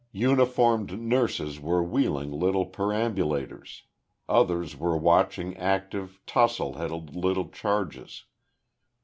Uniformed nurses were wheeling little perambulators; others were watching active, tousled headed little charges.